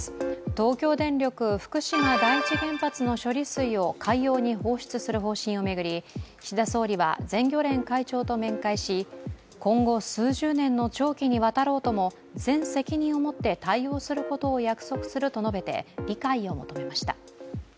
東京電力・福島第一原発の処理水を海洋に放出する方針を巡り岸田総理は全漁連会長と面会し、今後数十年の長期にわたろうとも、全責任を持って対応すると約束すると述べて、理解を求めました。